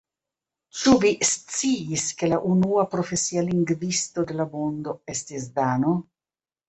Ĉu vi sciis ke la unua profesia lingvisto de la mondo estis dano?